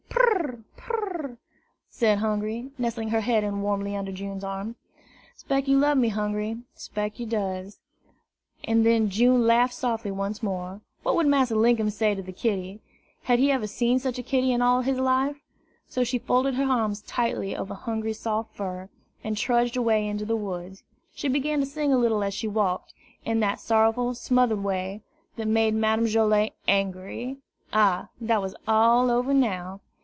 "Pur! pur r r!" said Hungry, nestling her head in warmly under June's arm. "'Spect you lub me, Hungry, 'spect you does!" And then June laughed softly once more. What would Massa Linkum say to the kitty? Had he ever seen such a kitty in all his life? So she folded her arms tightly over Hungry's soft fur, and trudged away into the woods. She began to sing a little as she walked, in that sorrowful, smothered way, that made Madame Joilet angry. Ah, that was all over now!